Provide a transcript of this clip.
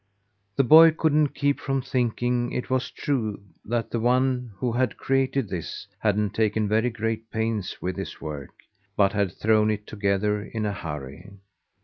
The boy couldn't keep from thinking it was true that the one who had created this hadn't taken very great pains with his work, but had thrown it together in a hurry.